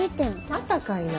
またかいな。